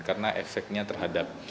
karena efeknya terhadap